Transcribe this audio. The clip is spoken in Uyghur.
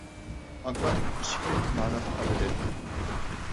ئاكام ئىشىكتىن ماراپ قارىدى.